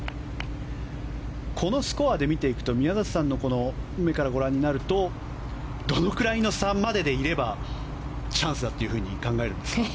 このスコアで見ていくと宮里さんの目からご覧になるとどのくらい差まででいればチャンスと考えますか？